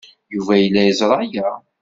Yuba yella yeẓra aya.